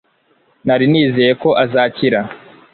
Nari nizeye ko azakira